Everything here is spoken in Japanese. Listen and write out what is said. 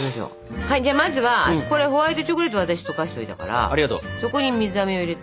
じゃあまずはホワイトチョコレートを私溶かしといたからそこに水あめを入れて。